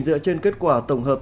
dựa trên kết quả tổng hợp